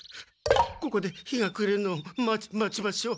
ここで日がくれるのをま待ちましょう。